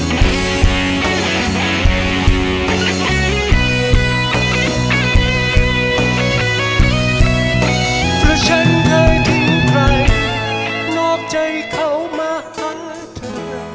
เพราะฉันเคยทิ้งใครนอกใจเขามากทั้งเธอ